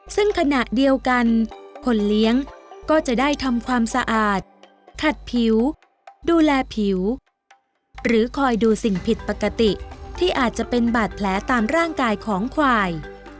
ซึ่งขณะเดียวกันคนเลี้ยงก็จะได้ทำความสะอาดขัดผิวดูแลผิวหรือคอยดูสิ่งผิดปกติที่อาจจะเป็นบาดแผลตามร่างกายของควาย